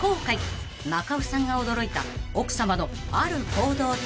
［中尾さんが驚いた奥さまのある行動とは？］